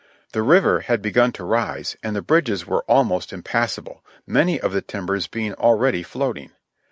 The river had begun to rise and the bridges were almost impassable, many of the timbers being already floating.